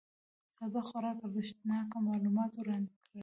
ساده خورا ارزښتناک معلومات وړاندي کړل